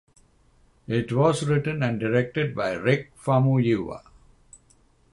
It was written and directed by Rick Famuyiwa.